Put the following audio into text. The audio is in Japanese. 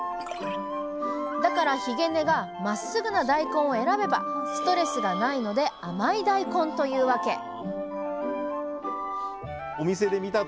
だからひげ根がまっすぐな大根を選べばストレスがないので甘い大根というワケ！